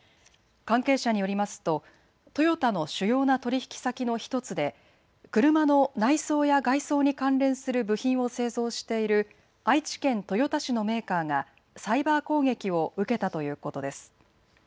関係者によりますとトヨタの主要な取引先の１つで車の内装や外装に関連する部品を製造している愛知県豊田市のメーカーがサイバー攻撃を受けたということです。